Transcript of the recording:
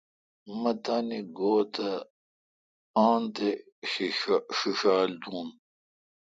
مہ تانی گو°تہ ان تے°ݭیݭال دون۔